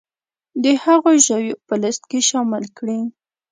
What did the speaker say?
د هغو ژویو په لیست کې شامل کړي